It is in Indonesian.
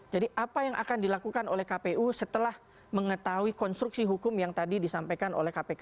jadi apa yang akan dilakukan oleh kpu setelah mengetahui konstruksi hukum yang tadi disampaikan oleh kpu